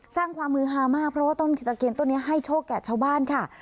สร้างความมือฮามากเพราะว่าต้นกิตะเคียนต้นนี้ให้โชคแก่ชาวบ้านค่ะ